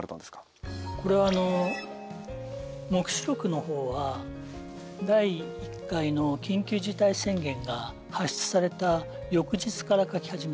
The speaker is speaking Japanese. これはあの『黙示録』の方は第１回の緊急事態宣言が発出された翌日から書き始めてるんですよ。